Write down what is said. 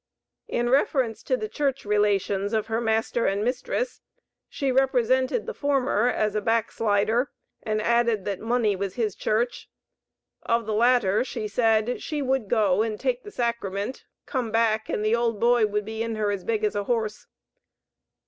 In reference to the church relations of her master and mistress, she represented the former as a backslider, and added that money was his church; of the latter she said, "she would go and take the sacrament, come back and the old boy would be in her as big as a horse."